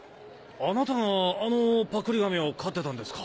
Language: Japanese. ・あなたがあのパックリ亀を飼ってたんですか？